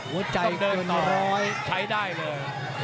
ต้องเดินต่อใช้ได้เลย